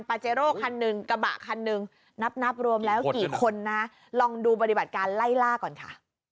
เจโร่คันหนึ่งกระบะคันหนึ่งนับนับรวมแล้วกี่คนนะลองดูปฏิบัติการไล่ล่าก่อนค่ะ